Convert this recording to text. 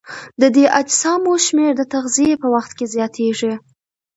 د دې اجسامو شمېر د تغذیې په وخت کې زیاتیږي.